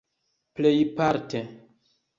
plejparte